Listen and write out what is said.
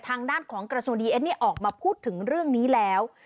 ทางด้านของกระทรวงดีเอสเนี่ยออกมาพูดถึงเรื่องนี้แล้ว